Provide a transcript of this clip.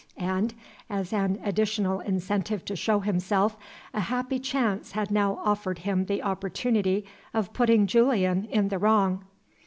And, as an additional incentive to show himself, a happy chance had now offered him the opportunity of putting Julian in the wrong.)